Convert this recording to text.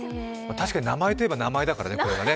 確かに名前といえば名前だからね、これはね。